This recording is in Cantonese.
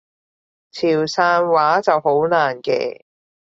潮汕話就好難嘅